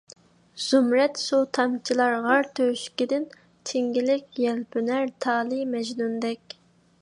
زۇمرەت سۇ تامچىلار غار تۆشۈكىدىن، چىڭگىلىك يەلپۈنەر تالى مەجنۇندەك،